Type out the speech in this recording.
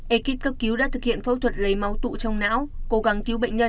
ekip cấp cứu đã thực hiện phẫu thuật lấy máu tụ trong não cố gắng cứu bệnh nhân